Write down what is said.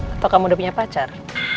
atau kamu udah punya pacar